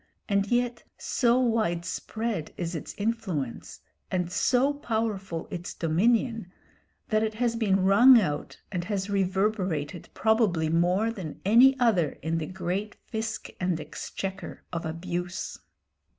And yet so widespread is its influence, and so powerful its dominion, that it has been rung out and has reverberated probably more than any other in the great "fisc and exchequer" of abuse.